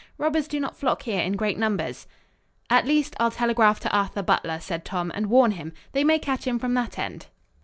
Robbers do not flock here in great numbers." "At least, I'll telegraph to Arthur Butler," said Tom, "and warn him. They may catch him from that end."